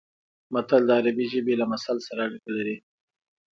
متل د عربي ژبې له مثل سره اړیکه لري